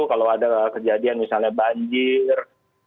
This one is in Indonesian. kalau ada kejadian misalnya banjir